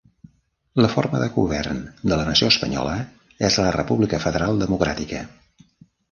La forma de govern de la Nació espanyola és la República Federal Democràtica.